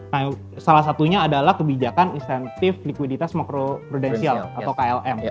nah salah satunya adalah kebijakan insentif likuiditas makro prudensial atau klm